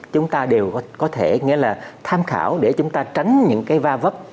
chúng ta đều có thể nghĩa là tham khảo để chúng ta tránh những cái va vấp